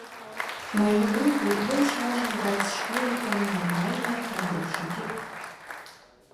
На яго думку, больш важна даць школьнікам нармальныя падручнікі.